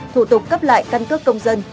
thủ tục cấp lại căn cước công dân